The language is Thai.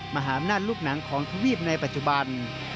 มหาอำนาจลูกหนังของทวีปในปัจจุบัน